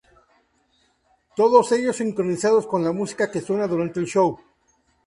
Todos ellos sincronizados con la música que suena durante el show.